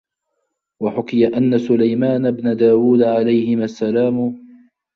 وَحُكِيَ أَنَّ سُلَيْمَانَ بْنَ دَاوُد عَلَيْهِمَا السَّلَامُ